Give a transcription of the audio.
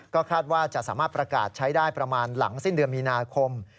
ก็คาดว่าจะสามารถประกาศใช้ได้ประมาณหลังสิ้นเดือนมีนาคม